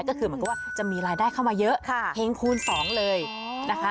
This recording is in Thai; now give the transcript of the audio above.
ก็คือเหมือนกับว่าจะมีรายได้เข้ามาเยอะเพลงคูณสองเลยนะคะ